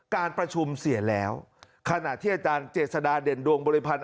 การประชุมเสียแล้วขณะที่อาจารย์เจษฎาเด่นดวงบริพันธ์